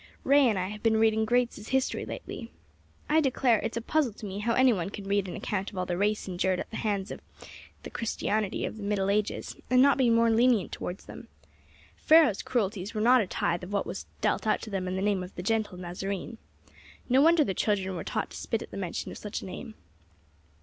Ray and I have been reading Graetz's history lately. I declare it's a puzzle to me how any one can read an account of all the race endured at the hands of the Christianity of the Middle Ages, and not be more lenient toward them. Pharaoh's cruelties were not a tithe of what was dealt out to them in the name of the gentle Nazarene. No wonder their children were taught to spit at the mention of such a name."